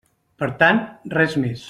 Per tant, res més.